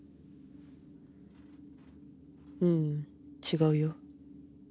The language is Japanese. ううん違うよ。